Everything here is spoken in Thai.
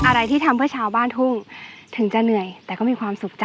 อะไรที่ทำเพื่อชาวบ้านทุ่งถึงจะเหนื่อยแต่ก็มีความสุขจ้